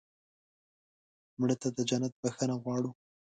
مړه ته د جنت بښنه غواړو